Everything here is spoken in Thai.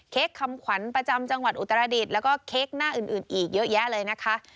คำขวัญประจำจังหวัดอุตรดิษฐ์แล้วก็เค้กหน้าอื่นอีกเยอะแยะเลยนะคะ